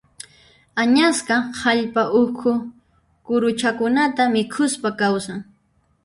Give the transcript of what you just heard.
Añasqa hallp'a ukhu kuruchakunata mikhuspa kawsan.